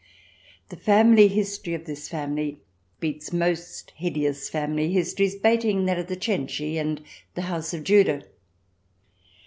The family history of this family beats most hideous family histories, bating that of the Cenci and the House of Judah.